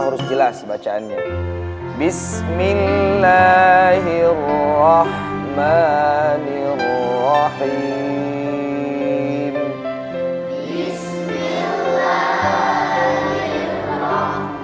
lebih jelas bacaannya bismillahirrohmanirrohim bismillahirrohmanirrohim